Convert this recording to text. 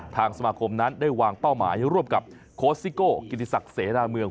ทางสมาคมนั้นได้วางเป้าหมายร่วมกับโค้ชซิโก้กิติศักดิ์เสนาเมือง